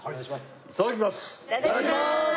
いただきます！